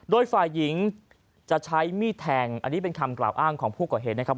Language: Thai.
โดยฝ่ายหญิงจะใช้มีดแทงอันนี้เป็นคำกล่าวอ้างของผู้ก่อเหตุนะครับ